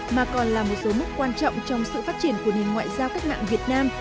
mà còn là một số mốc quan trọng trong sự phát triển của nền ngoại giao cách mạng việt nam